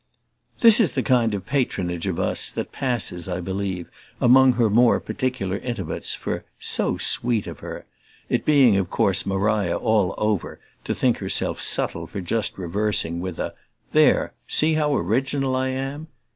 This is the kind of patronage of us that passes, I believe, among her more particular intimates, for "so sweet" of her; it being of course Maria all over to think herself subtle for just reversing, with a "There see how original I am?"